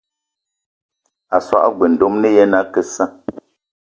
A so g-beu ndomni ye na ake issa.